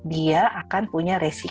dia akan punya resiko